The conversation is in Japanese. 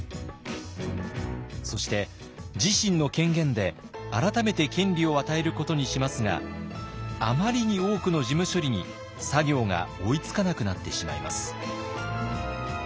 そして自身の権限で改めて権利を与えることにしますがあまりに多くの事務処理に作業が追いつかなくなってしまいます。